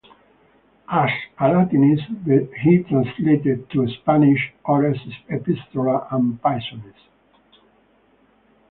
As a latinist, he translated to Spanish Horace's "Epistola ad Pisones".